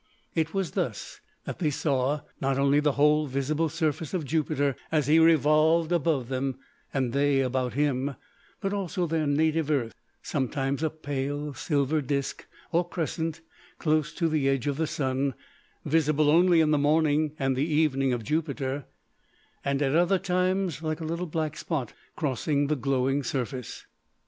It was thus that they saw, not only the whole visible surface of Jupiter as he revolved above them and they about him, but also their native Earth, sometimes a pale silver disc or crescent close to the edge of the Sun, visible only in the morning and the evening of Jupiter, and at other times like a little black spot crossing the glowing surface.